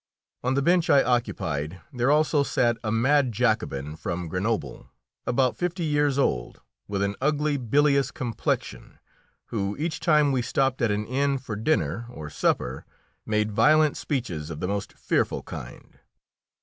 On the bench I occupied there also sat a mad Jacobin from Grenoble, about fifty years old, with an ugly, bilious complexion, who each time we stopped at an inn for dinner or supper made violent speeches of the most fearful kind.